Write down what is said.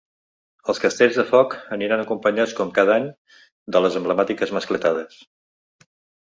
Els castells de foc aniran acompanyats com cada any de les emblemàtiques ‘mascletades’.